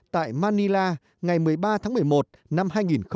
tại manila ngày một mươi ba tháng một mươi một năm hai nghìn một mươi chín